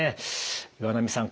岩波さん